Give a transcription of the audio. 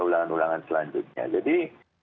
ulangan ulangan selanjutnya jadi